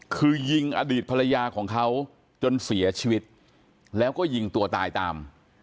คือยิงอดีตภรรยาของเขาจนเสียชีวิตแล้วก็ยิงตัวตายตาม